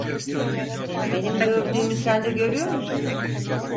Benim gördüğümü sen de görüyor musun?